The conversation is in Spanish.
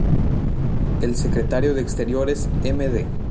El secretario de exteriores Md.